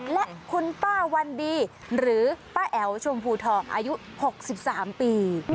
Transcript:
และคุณป้าวันดีหรือป้าแอ๋วชมพูทองอายุ๖๓ปี